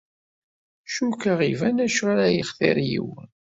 Cukkeɣ iban acu ara yextir yiwen.